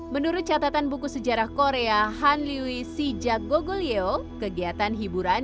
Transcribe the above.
menurut catatan buku sejarah korea han liwi si ja gogol yeo kegiatan hiburan